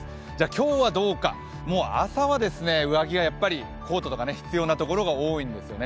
今日はどうか、もう朝は上着、コートなどが必要なところが多いんですね。